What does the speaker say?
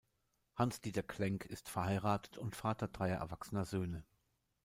Hans-Dieter Klenk ist verheiratet und Vater dreier erwachsener Söhne.